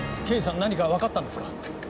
刑事さん何か分かったんですか？